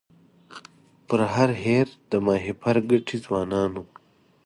پر هر هېر د ماهیپر ګټي ځوانانو